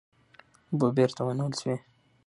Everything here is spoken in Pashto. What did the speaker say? اوبه بېرته ونیول سوې.